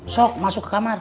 sok masuk ke kamar